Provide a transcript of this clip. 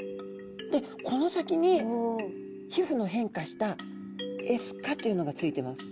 でこの先に皮膚の変化したエスカというのが付いてます。